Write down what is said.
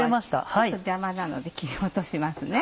ちょっと邪魔なので切り落としますね。